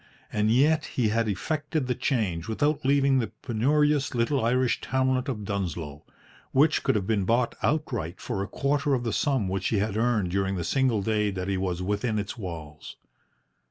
And yet he had effected the change without leaving the penurious little Irish townlet of Dunsloe, which could have been bought outright for a quarter of the sum which he had earned during the single day that he was within its walls.